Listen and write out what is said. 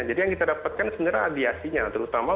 jadi yang kita dapatkan sebenarnya radiasinya terutama ultraviolet b